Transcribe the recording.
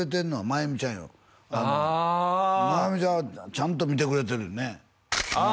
万由美ちゃんちゃんと見てくれてるよねああ！